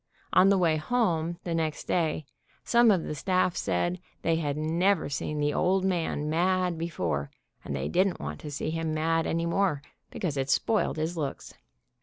On the way home, the next day, some of the staff said they had never seen the "old man" mad before, and they didn't want to see him mad any more, because it spoiled his looks.